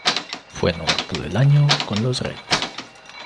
Fue Novato del año con los Reds.